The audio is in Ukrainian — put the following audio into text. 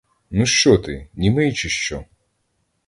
Ну, що ти, німий, чи що?